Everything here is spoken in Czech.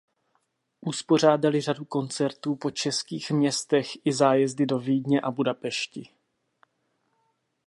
Uspořádali řadu koncertů po českých městech i zájezdy do Vídně a Budapešti.